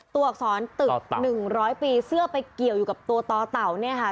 ตัวอักษรตึก๑๐๐ปีเสื้อไปเกี่ยวอยู่กับตัวตอเต่า